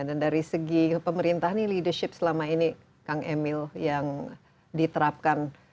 dan dari segi pemerintah nih leadership selama ini kang emil yang diterapkan